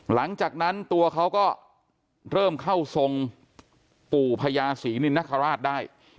หลังจากนั้นตัวเขาก็เริ่มเข้าทรงปู่พญาศรีนินนคราชได้